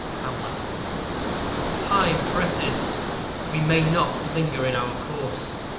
Hamlet. Time presses. We may not linger in our course.